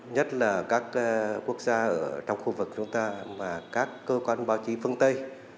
nhất là các quốc gia ở trong khu vực chúng ta và các cơ quan báo chí phương tây